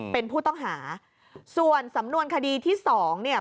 เป็นผู้ต้องหาส่วนสำนวนคดีที่สองเนี่ย